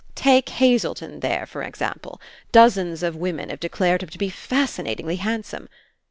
Take Hazelton there, for example. Dozens of women have declared him to be fascinatingly handsome.